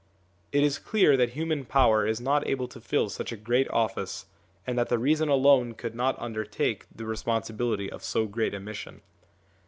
It is clear that human power is not able to fill such a great office, and that the reason alone could not under take the responsibility of so great a mission.